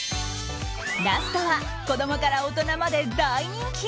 ラストは子供から大人まで大人気